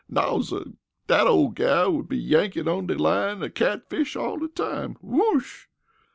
Naw, suh! Dat ole gal would be yankin' on dat line a catfish all de time. Whoosh!"